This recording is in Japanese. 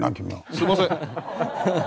すみません。